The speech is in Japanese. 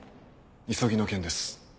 急ぎの件です。